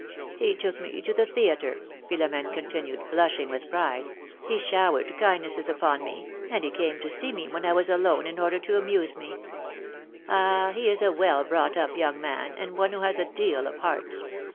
^^He took me to the theatre," Philom5ne continued, blushing with pride, ^^he showered kindnesses upon me, and he came to see me when I was alone in order to amuse me. Ah ! he is a well brought up young man, and one who has a deal of heart